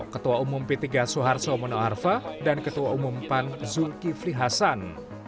ketua umum p tiga soeharto mono arfa dan ketua umum pan zulkifli hasan